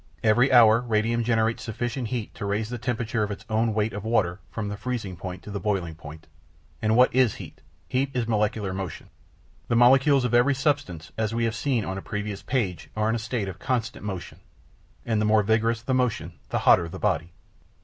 "Every hour radium generates sufficient heat to raise the temperature of its own weight of water, from the freezing point to the boiling point." And what is heat? Heat is molecular motion. The molecules of every substance, as we have seen on a previous page, are in a state of continual motion, and the more vigorous the motion the hotter the body.